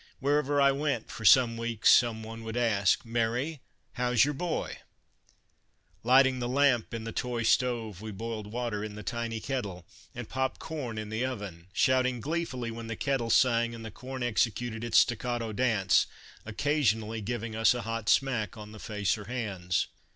Wherever I went for some weeks some one would ask :" Mary, how 's your boy ?" Lighting the lamp in the toy stove we boiled water in the tiny kettle and popped corn in the oven, shouting gleefully when the kettle sang and the corn executed its staccato dance, occasionally giving us a hot smack on the face or hands.